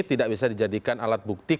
tidak bisa dijadikan alat bukti